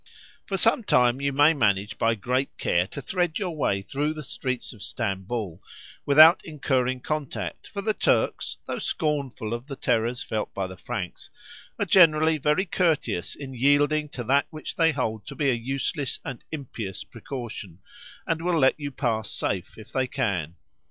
For some time you may manage by great care to thread your way through the streets of Stamboul without incurring contact, for the Turks, though scornful of the terrors felt by the Franks, are generally very courteous in yielding to that which they hold to be a useless and impious precaution, and will let you pass safe if they can.